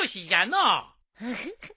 フフフ。